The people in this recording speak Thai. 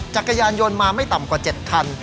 จักรยานยนต์มาไม่ต่ำกว่า๗คัน